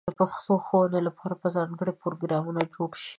د پښتو ښوونې لپاره به ځانګړې پروګرامونه جوړ شي.